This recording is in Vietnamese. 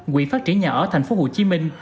quỹ phát triển nhà ở thành phố hồ chí minh